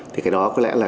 thì cái đó có lẽ là